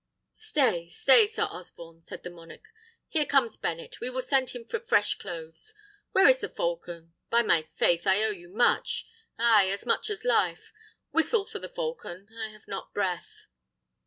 "Stay, stay, Sir Osborne," said the monarch; "here comes Bennet. We will send him for fresh clothes. Where is the falcon? By my faith, I owe you much; ay, as much as life! Whistle for the falcon; I have not breath."